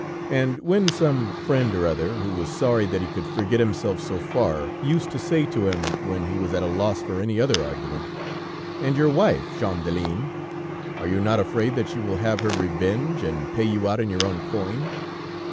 And when some friend or other, who was sorry that he could forget himself so far, used to say to him, when he was at a loss for any other argument: "And your wife, Champdelin? Are you not afraid that she will have her revenge and pay you out in your own coin?"